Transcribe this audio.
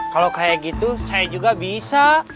kalau kayak gitu saya juga bisa